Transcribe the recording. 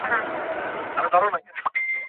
এটি সাধারণত খুবই কম বিদ্যুত খরচ করে এবং কম দামি।